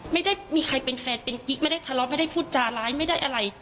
ไม่ได้มีใครเป็นแฟนเป็นกิ๊กไม่ได้ทะเลาะไม่ได้พูดจาร้ายไม่ได้อะไร